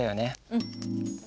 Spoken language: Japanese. うん。